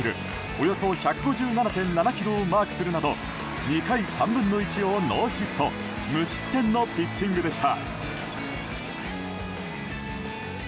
およそ１５７．７キロをマークするなど２回３分の１をノーヒット無失点のピッチングでした。